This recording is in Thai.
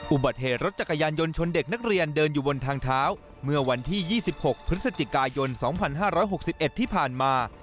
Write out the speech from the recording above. อุบัติเหตุรถจักรยานยนต์ชนเด็กนักเรียนเดินอยู่บนทางเท้าเมื่อวันที่๒๖พฤศจิกายน๒๕๖๑ที่ผ่านมา